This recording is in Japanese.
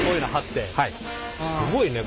すごいね！